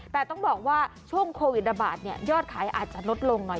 แต่ต้องบอกว่าช่วงโควิดระบาดยอดขายอาจจะลดลงหน่อย